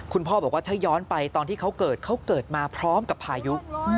คุณพ่อบอกว่าถ้าย้อนไปตอนที่เขาเกิดเขาเกิดมาพร้อมกับพายุ